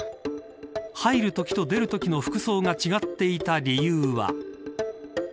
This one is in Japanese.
入るときと出るときの服装が違っていた理由は。